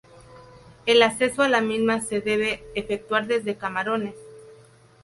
El acceso a la misma se debe efectuar desde Camarones.